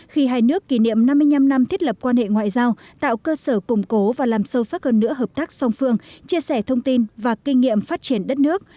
khi hai nước kỷ niệm năm mươi năm năm thiết lập quan hệ ngoại giao tạo cơ sở củng cố và làm sâu sắc hơn nữa hợp tác song phương chia sẻ thông tin và kinh nghiệm phát triển đất nước